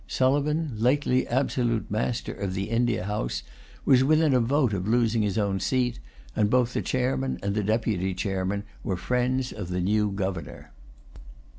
Sulivan, lately absolute master of the India House, was within a vote of losing his own seat; and both the chairman and the deputy chairman were friends of the new governor.